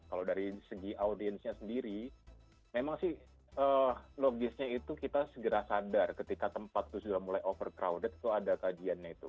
kalau dari segi audiensnya sendiri memang sih logisnya itu kita segera sadar ketika tempat itu sudah mulai overcrowded itu ada kajiannya itu